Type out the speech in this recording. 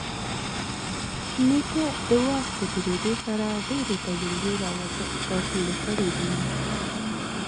نیکه د وخت په تېرېدو سره ډېرې تجربې راټولې کړي دي.